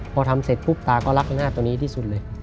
พอทำเสร็จเพิ่มก็รักละนาดตัวนี้ที่สุดเลย